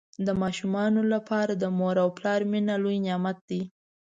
د ماشومانو لپاره د مور او پلار مینه لوی نعمت دی.